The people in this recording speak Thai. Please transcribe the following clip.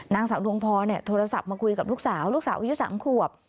นางสาวดวงพรโทรศัพท์มาคุยกับลูกสาวลูกสาวอายุ๓ขวบ